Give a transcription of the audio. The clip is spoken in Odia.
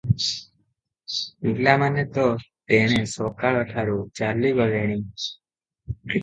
ପିଲାମାନେ ତ ତେଣେ ସକାଳ ଟାରୁ ଚାଲିଗଲେଣି ।"